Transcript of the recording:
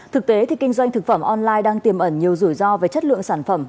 thực tế thì kinh doanh thực phẩm online đang tiềm ẩn nhiều rủi ro về chất lượng sản phẩm